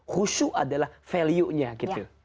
khusyuk adalah value nya gitu